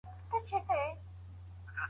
دواړه علوم د بشر لپاره اړين دي.